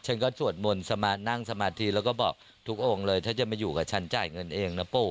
ฉันก็สวดมนต์นั่งสมาธิแล้วก็บอกทุกองค์เลยถ้าจะมาอยู่กับฉันจ่ายเงินเองนะปู่